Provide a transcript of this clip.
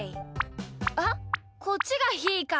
あっこっちがひーか！